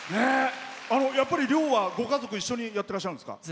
やっぱり漁はご家族一緒にやってらっしゃるんですか。